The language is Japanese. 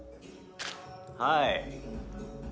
はい。